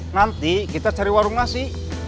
nanti kita cari warung nasi